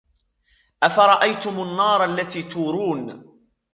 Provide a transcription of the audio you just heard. أفرأيتم النار التي تورون